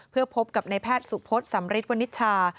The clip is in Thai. เพื่อพบกับนายแพทย์สุพธิ์สำริดวนิชชา